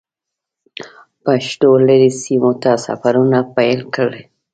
پښتنو لرې سیمو ته سفرونه پیل کړل.